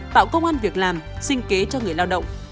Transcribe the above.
tạo công an việc làm sinh kế cho người lao động